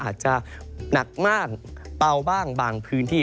อาจจะหนักมากเบาบ้างบางพื้นที่